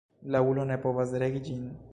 La ulo ne povas regi ĝin.